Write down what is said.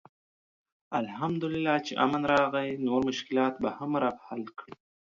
الحمدالله چې امن راغی، نور مشکلات به هم رب حل کړي.